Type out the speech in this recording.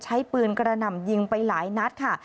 ใช้ปืนกระหน่ำยิงไปหลายนัดค่ะ